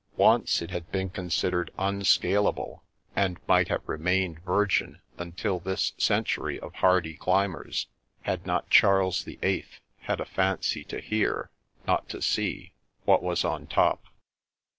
Once, it had been considered unscalable, and might have remained vir gin until this century of hardy climbers, had not Charles the Eighth had a fancy to hear (not to see !) what was on top.